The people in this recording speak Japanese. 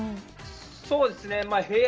そうですね。